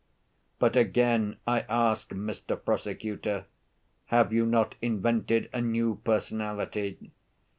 But again I ask, Mr. Prosecutor, have you not invented a new personality?